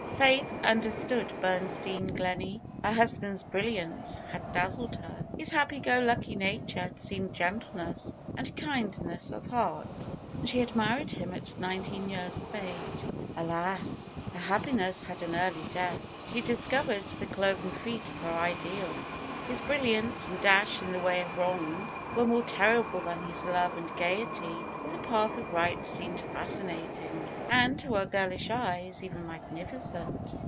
Faith understood Bernstein Gleney. Her husband's brilliance had dazzled her; his happy go lucky nature had seemed gentleness and kindness of heart; and she had married him at nineteen years of age. Alas ! Her happiness had an early death. She discovered the cloven feet of her ideal. His brilliance and dash in the way of wrong were more terrible than his love and gayety in the path of right seemed fascinating, and, to her girlish eyes, even magnificent.